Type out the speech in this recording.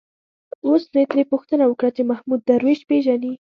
اوس مې ترې پوښتنه وکړه چې محمود درویش پېژني.